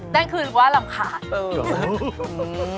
แต่คือถือว่ารำคาญ